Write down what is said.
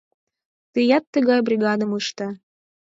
Тыят тыгай бригадым ыште.